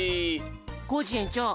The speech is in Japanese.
コージえんちょう